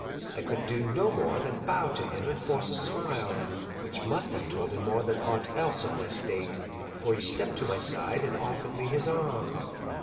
I could do no more than bow to him and force a smile, which must have told more than aught else of my state, for he stepped to my side and offered me his arm.